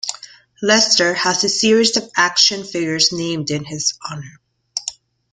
Lester has a series of action figures named in his honor.